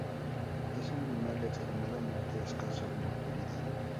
Es un animal extremadamente escaso en la actualidad.